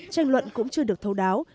tranh luận cũng chưa được thâu đáo